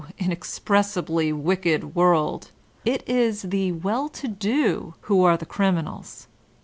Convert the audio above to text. inexpressibly wicked world! — it is the well to do who are the criminals.